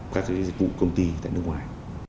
các cái dịch vụ công ty tại nước ngoài